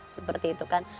seperti itu kan